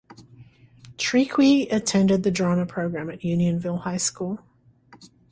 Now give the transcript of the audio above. Chriqui attended the drama program at Unionville High School.